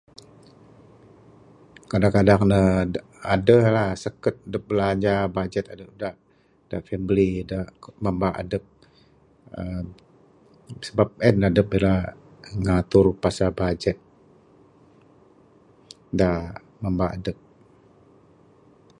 Kadang kadang ne aduh lah sekut dup belanja budget adup da' famili da' mamba adup. uhh Sebab en adup ira ngatur pasal budget da' mamba adup.